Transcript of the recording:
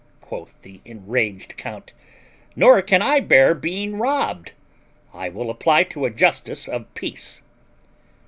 quoth the enraged count; "nor can I bear being robbed; I will apply to a justice of peace."